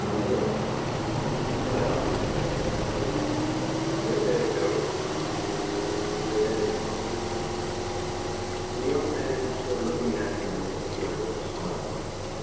I will." "Well," said Mr. Louden, "good day, Joe." "Good day, father." The young man stood looking after him with a curious smile.